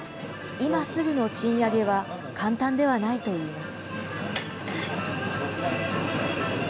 今すぐの賃上げは、簡単ではないといいます。